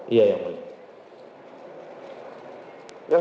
iya yang mulia